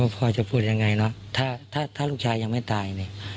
พ่อจะพูดยังไงถ้าลูกชายยังไม่ตาย